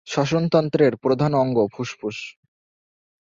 শ্বসনতন্ত্রের প্রধান অঙ্গ ফুসফুস।